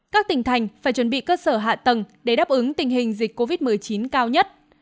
các tỉnh thành phải chuẩn bị cơ sở hạ tầng để đáp ứng tình hình dịch covid một mươi chín cao nhất